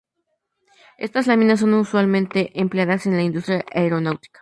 Estas láminas son usualmente empleadas en la industria aeronáutica.